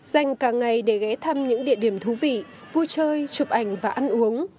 danh cả ngày để ghé thăm những địa điểm thú vị vui chơi chụp ảnh tham quan